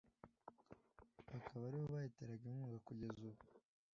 bakaba ari nabo bayiteraga inkunga kugeza ubu